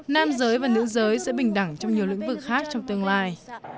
nam giới và nữ giới sẽ bình đẳng trong nhiều lĩnh vực khác trong tương lai